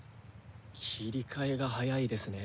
切り替えが早いですね。